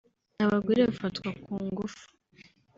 Abagore bafatwa ku ngufu